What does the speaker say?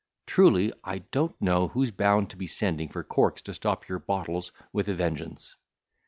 Truly I don't know who's bound to be sending for corks to stop your bottles, with a vengeance.